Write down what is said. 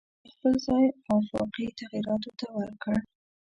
دا خپل ځای آفاقي تغییراتو ته ورکړ.